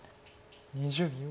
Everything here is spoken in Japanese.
２０秒。